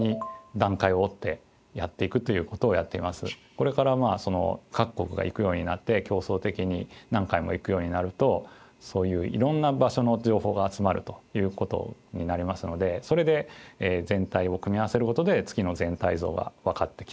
これからまあ各国が行くようになって競争的に何回も行くようになるとそういういろんな場所の情報が集まるということになりますのでそれで全体を組み合わせることで月の全体像が分かってきたり